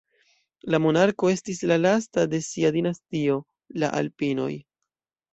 La monarko estis la lasta de sia dinastio, la "Alpin"oj.